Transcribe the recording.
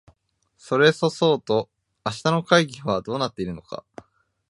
それそそうと明日の会議はどうなっているのか